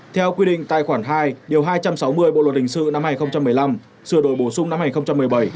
theo quy định tài khoản hai điều hai trăm sáu mươi bộ luật hình sự năm hai nghìn một mươi năm sửa đổi bổ sung năm hai nghìn một mươi bảy